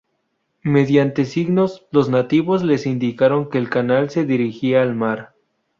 Mediante signos, los nativos les indicaron que el canal se dirigía al mar.